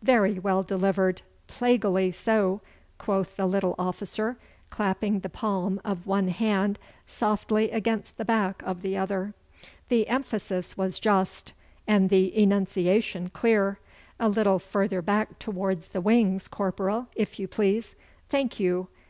'Very well delivered plaguily so!' quoth the little officer, clapping the palm of one hand softly against the back of the other. 'The emphasis was just, and the enunciation clear. A little further back towards the wings, corporal, if you please. Thank you!